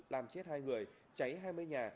làm chết hai người cháy hai mươi nhà